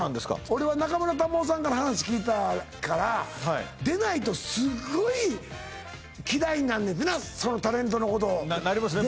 俺は中村玉緒さんから話聞いたから出ないとすごい嫌いになんねんてなそのタレントのことなりますね